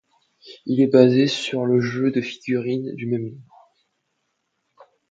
Il est basé sur le jeu de figurines du même nom.